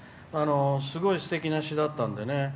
すごいすてきな詩だったのでね。